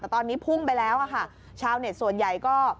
ตอนนี้พุ่งไปแล้วชาวเนตส่วนใหญ่ก็